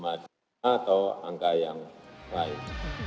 tujuh lima atau angka yang lain